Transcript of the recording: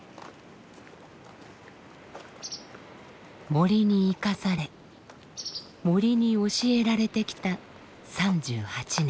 森に生かされ森に教えられてきた３８年。